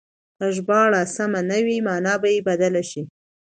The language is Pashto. که ژباړه سمه نه وي مانا به يې بدله شي.